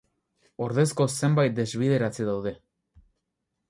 Ordezko zenbait desbideratze daude.